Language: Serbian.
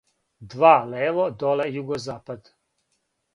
Два лево доле југозапад